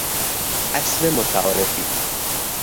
اصل متعارفی